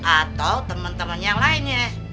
atau temen temen yang lainnya